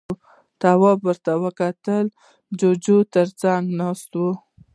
تواب ور وکتل، جُوجُو يې تر څنګ ناست و.